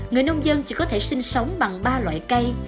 người nông dân chỉ có thể sinh sống bằng ba loại cây